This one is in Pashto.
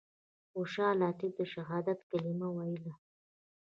خوشحال طیب د شهادت کلمه ویله.